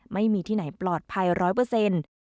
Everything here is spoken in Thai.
ไม่มีที่ไหนปลอดภัยร้อยเปอร์เซ็นต์